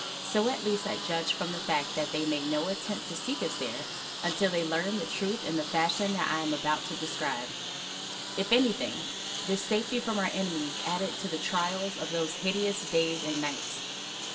So at least I judged from the fact that they made no attempt to seek us there until they learned the truth in the fashion that I am about to describe. If anything, this safety from our enemies added to the trials of those hideous days and nights.